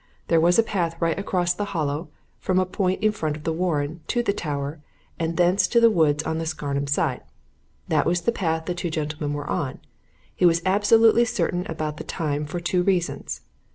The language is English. There was a path right across the Hollow, from a point in front of the Warren, to the Tower, and thence to the woods on the Scarnham side. That was the path the two gentlemen were on. He was absolutely certain about the time, for two reasons.